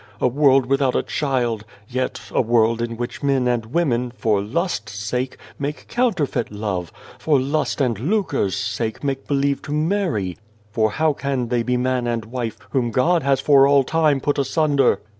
A world without a child ! Yet a world in which men and women, for lust's sake, make counterfeit love ; for lust and lucre's sake make believe to marry for how can they be man and wife, whom God has for all time put asunder